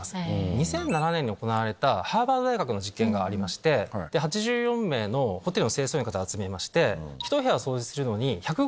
２００７年に行われたハーバード大学の実験がありまして８４名のホテルの清掃員の方を集めまして。